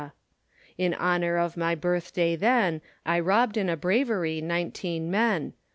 In honor of my birth day then, I robd in a bravery nineteen men.